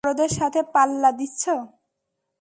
তুমি বড়দের সাথে পাল্লা দিচ্ছ।